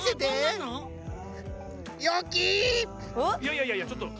いやいやいやちょっと。